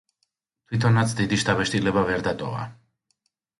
თვითონაც დიდი შთაბეჭდილება ვერ დატოვა.